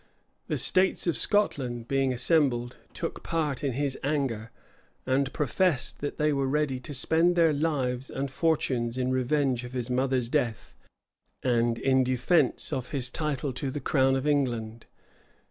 The states of Scotland, being assembled, took part in his anger; and professed that they were ready to spend their lives and fortunes in revenge of his mother's death, and in defence of his title to the crown of England.